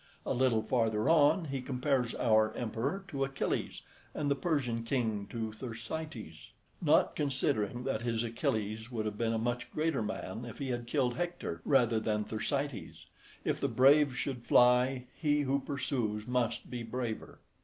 A little farther on, he compares our emperor to Achilles, and the Persian king to Thersites; not considering that his Achilles would have been a much greater man if he had killed Hector rather than Thersites; if the brave should fly, he who pursues must be braver.